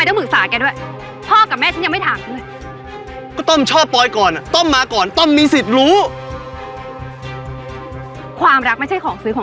น้องปอยกับไอ้หัวหน้าดอนต้องไปไห้แฟนกัน